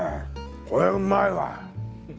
これうまいわ！